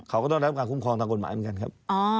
เขาก็ต้องรับการคุ้มครองตามกฎหมายเหมือนกันครับ